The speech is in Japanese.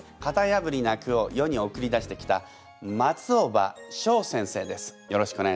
やぶりな句を世に送り出してきた松尾葉翔先生です。